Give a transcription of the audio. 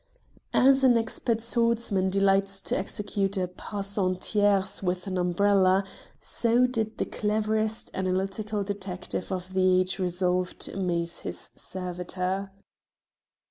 As an expert swordsman delights to execute a pass en tierce with an umbrella, so did the cleverest analytical detective of the age resolve to amaze his servitor.